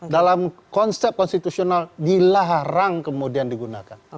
dalam konsep konstitusional dilarang kemudian digunakan